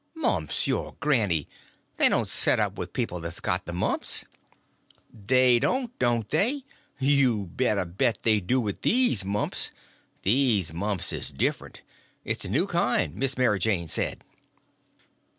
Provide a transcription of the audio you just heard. "Mumps your granny! They don't set up with people that's got the mumps." "They don't, don't they? You better bet they do with these mumps. These mumps is different. It's a new kind, Miss Mary Jane said."